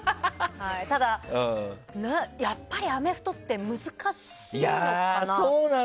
ただ、やっぱりアメフトって難しいかな。